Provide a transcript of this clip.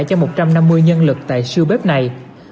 cho một trăm năm mươi nhân lực tại siêu bếp này